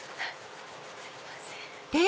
すいません。